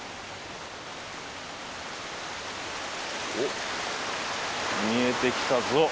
おっ見えてきたぞ。